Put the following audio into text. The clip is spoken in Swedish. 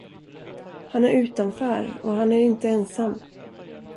Han är utanför och han är inte ensam.